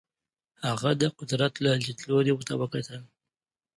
هغه د قدرت له لیدلوري ورته وکتل.